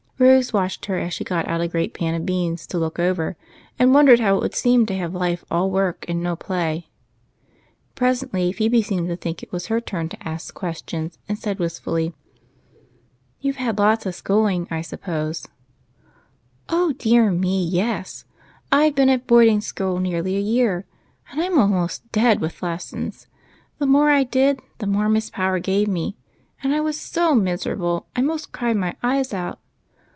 Rose watched her as she got out a great pan of beans to look over, and wondered how it would seem to have life all work and no play. Presently Phebe seemed to think it was her turn to ask questions, and said, wistfully, —" You 've had lots of schooling, I suppose ?" "Oh, dear me, yes! I've been at boarding school nearly a year, and I 'm almost dead with lessons. The more I got, the more Miss Power gave me, and I was so miserable I 'most cried my eyes out.